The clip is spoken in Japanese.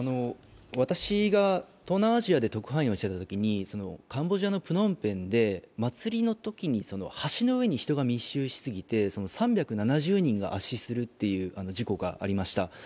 私が東南アジアで特派員をしていたときにカンボジアのプノンペンで祭りのときに橋に人が密集しすぎて３７０人が圧死するという事故がありました。